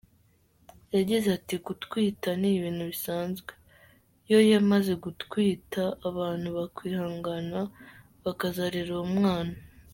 Yagize ati “Gutwita ni ibintu bisanzwe, yo yamaze gutwita abantu bakwihangana bakazarera uwo mwana.